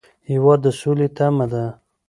هېواد د سولې تمه ده.